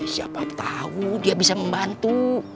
siapa tahu dia bisa membantu